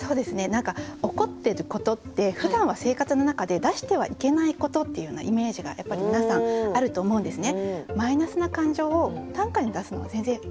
何か怒ってることってふだんは生活の中で出してはいけないことっていうようなイメージがやっぱり皆さんあると思うんですね。